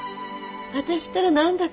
私ったら何だか。